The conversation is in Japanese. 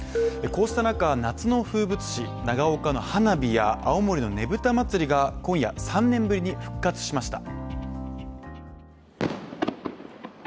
こうした中、夏の風物詩・長岡の花火や青森のねぶた祭が今夜、３年ぶりに復活しました。